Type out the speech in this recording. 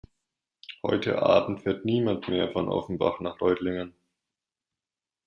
Heute Abend fährt niemand mehr von Offenbach nach Reutlingen